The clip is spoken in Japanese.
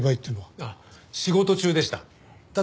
あっ仕事中でした。